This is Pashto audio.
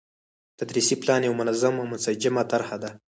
تدريسي پلان يو منظم او منسجمه طرحه ده،